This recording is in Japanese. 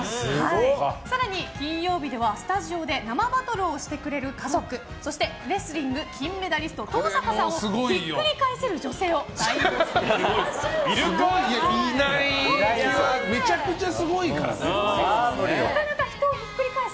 更に、金曜日ではスタジオで生バトルをしてくれる家族そして、レスリング金メダリスト登坂さんをひっくり返せる女性を大募集しています！